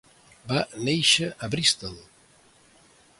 Va néixer a Bristol.